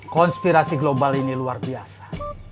konspirasi global ini luar biasa